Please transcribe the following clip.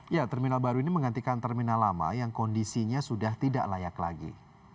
ya terminal baru ini menggantikan terminal lama yang kondisinya sudah tidak layak lagi